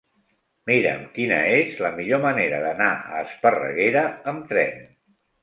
Mira'm quina és la millor manera d'anar a Esparreguera amb tren.